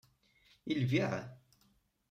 I lbiε?